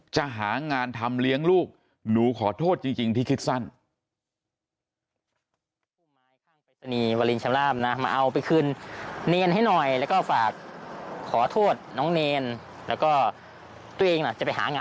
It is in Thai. จะหางานทำเลี้ยงลูกหนูขอโทษจริงที่คิดสั้น